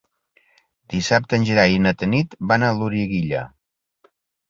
Dissabte en Gerai i na Tanit van a Loriguilla.